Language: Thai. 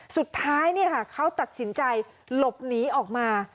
สุดท้ายเขาตัดสินใจหลบหนีออกมา